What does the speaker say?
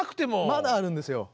まだあるんですよ。